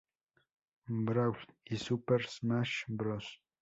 Brawl" y "Super Smash Bros.